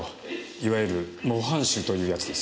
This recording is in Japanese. いわゆる模範囚というやつです。